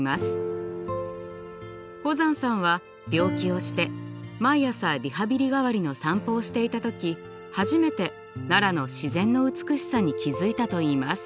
保山さんは病気をして毎朝リハビリ代わりの散歩をしていた時初めて奈良の自然の美しさに気付いたといいます。